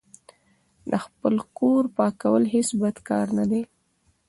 د خپل کور پاکول هیڅ بد کار نه ده.